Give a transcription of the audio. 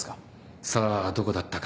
さあどこだったか。